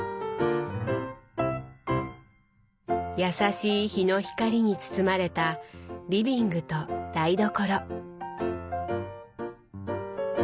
優しい日の光に包まれたリビングと台所。